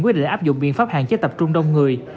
quyết định áp dụng biện pháp hạn chế tập trung đông người